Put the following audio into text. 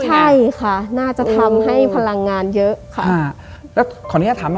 ใช่ค่ะน่าจะทำให้พลังงานเยอะค่ะ